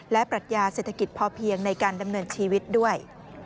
และปรัชญาเศรษฐกิจพอเพียงในการดำเนินชีวิตด้วย